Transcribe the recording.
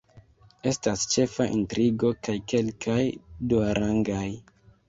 Estas ĉefa intrigo kaj kelkaj duarangaj.